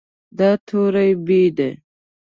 دا توری "ب" دی.